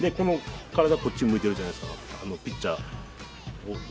体こっち向いてるじゃないですかピッチャーを。